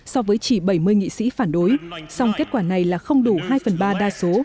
so với chỉ bảy mươi nghị sĩ phản đối song kết quả này là không đủ hai phần ba đa số